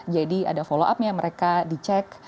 jadi ada follow up nya mereka dicek